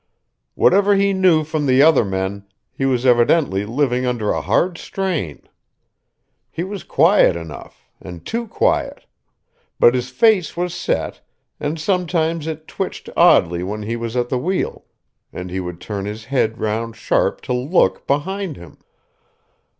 Whatever he knew from the other men, he was evidently living under a hard strain. He was quiet enough, and too quiet; but his face was set, and sometimes it twitched oddly when he was at the wheel, and he would turn his head round sharp to look behind him.